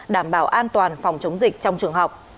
đảm bảo an toàn phòng chống dịch trong trường học